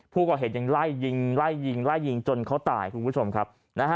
ผู้ก่อเหตุยังไล่ยิงไล่ยิงไล่ยิงจนเขาตายคุณผู้ชมครับ